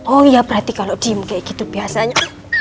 oh iya berarti kalo diem kayak gitu biasanya